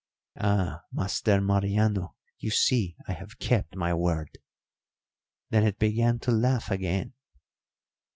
Ah, Master Mariano, you see I have kept my word!' Then it began to laugh again.